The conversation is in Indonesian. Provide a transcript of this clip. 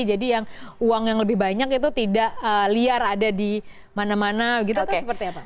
jadi yang uang yang lebih banyak itu tidak liar ada di mana mana gitu kan seperti apa